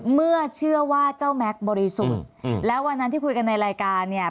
เมื่อเชื่อว่าเจ้าแม็กซ์บริสุทธิ์แล้ววันนั้นที่คุยกันในรายการเนี่ย